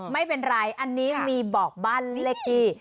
ไม่เป็นไรอันนี้มีบอกบ้านเลขที่